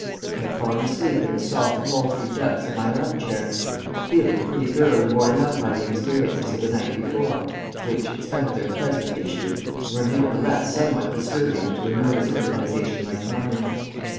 I had fallen asleep in the soft upholstered depths of my armchair, feeling pretty thoroughly worn out by the experiences of the night before, which, in spite of their pleasant issue, were nevertheless somewhat disturbing to a nervous organization like mine.